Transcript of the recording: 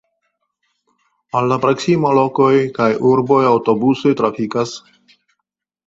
Al la proksimaj lokoj kaj urboj aŭtobusoj trafikas.